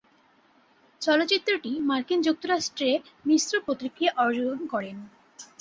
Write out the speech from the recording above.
চলচ্চিত্রটি মার্কিন যুক্তরাষ্ট্রে মিশ্র প্রতিক্রিয়া অর্জন করেন।